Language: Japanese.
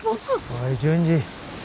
おい順次。